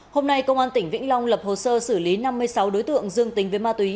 hôm nay công an tỉnh vĩnh long lập hồ sơ xử lý năm mươi sáu đối tượng dương tình với ma túy